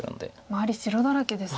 周り白だらけですね。